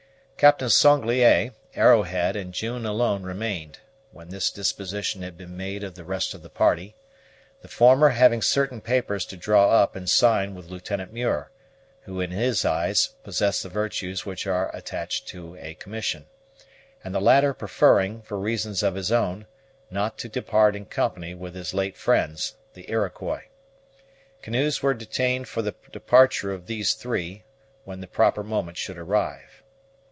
Captain Sanglier, Arrowhead, and June alone remained, when this disposition had been made of the rest of the party: the former having certain papers to draw up and sign with Lieutenant Muir, who in his eyes possessed the virtues which are attached to a commission; and the latter preferring, for reasons of his own, not to depart in company with his late friends, the Iroquois. Canoes were detained for the departure of these three, when the proper moment should arrive.